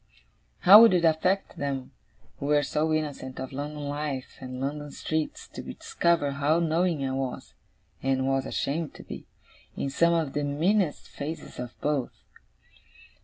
How would it affect them, who were so innocent of London life, and London streets, to discover how knowing I was (and was ashamed to be) in some of the meanest phases of both?